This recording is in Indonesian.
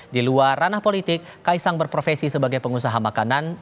di luar ranah politik kaisang berprofesi sebagai pengusaha makanan